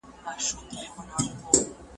ځینې ښځې غوښې او کبونه غواړي.